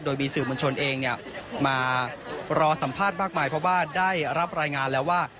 โดยมีสื่อมวลชนเองมารอสัมภาษณ์มากมายเพราะว่าได้รับรายงานแล้วว่า